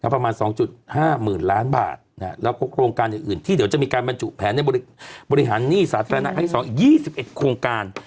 ประมาณ๒๕หมื่นล้านบาทแล้วก็กรงการอย่างอื่นที่เดี๋ยวจะมีการบรรจุแผนในบริหารหนี้สาธารณะที่สอง๒๑โครงการ